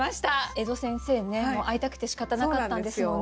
江戸先生ねもう会いたくてしかたなかったんですもんね。